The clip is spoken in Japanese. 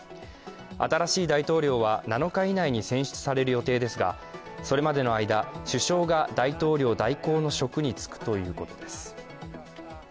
新しい大統領は７日以内に選出される予定ですがそれまでの間、首相が大統領代行の職に就くということです。